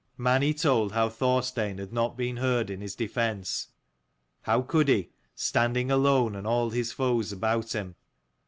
Mani told how Thorstein had not been heard in his defence, how could he, standing alone and all his foes about him